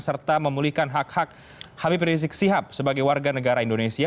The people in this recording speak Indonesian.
serta memulihkan hak hak habib rizik sihab sebagai warga negara indonesia